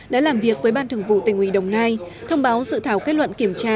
đã làm việc với ban thường vụ tình ủy đồng nai thông báo sự thảo kết luận kiểm tra